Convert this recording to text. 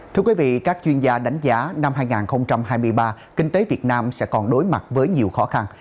thưa quý vị các chuyên gia đánh giá năm hai nghìn hai mươi ba kinh tế việt nam sẽ còn đối mặt với nhiều khó khăn